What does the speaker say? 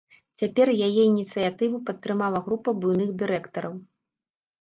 Цяпер яе ініцыятыву падтрымала група буйных дырэктараў.